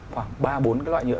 khoảng ba bốn loại nhựa